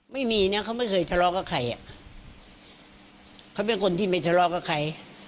ไม่มีนะเขาไม่เคยทะเลาะกับใครอ่ะเขาเป็นคนที่ไม่ทะเลาะกับใคร